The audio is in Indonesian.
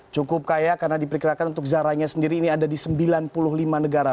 cukup kaya karena diperkirakan untuk zaranya sendiri ini ada di sembilan puluh lima negara